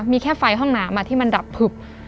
มีแค่ไฟห้องน้ำที่มันดับผึบ